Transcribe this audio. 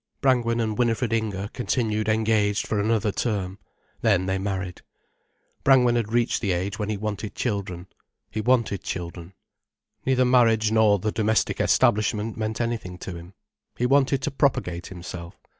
Brangwen and Winifred Inger continued engaged for another term. Then they married. Brangwen had reached the age when he wanted children. He wanted children. Neither marriage nor the domestic establishment meant anything to him. He wanted to propagate himself.